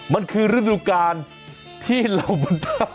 มันคือฤดูกาลที่เรามัน